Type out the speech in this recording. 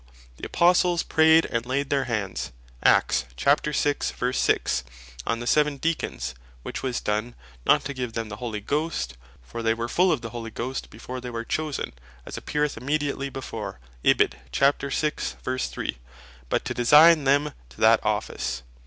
6.) "The Apostles Prayed, and Laid their Hands" on the seven Deacons; which was done, not to give them the Holy Ghost, (for they were full of the Holy Ghost before thy were chosen, as appeareth immediately before, verse 3.) but to design them to that Office.